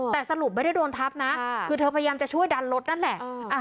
แต่สรุปไม่ได้โดนทับนะคือเธอพยายามจะช่วยดันรถนั่นแหละ